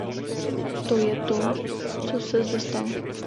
To je to, co se zde stalo.